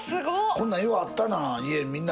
こんなんようあったな。